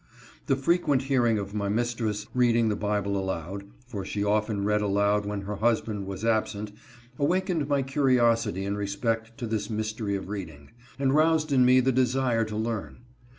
The frequent hearing of my mistress reading the Bible aloud, for she often read aloud when her husband was absent, awakened my curiosity in respect to this mystery of reading, and roused in me the desire to learn.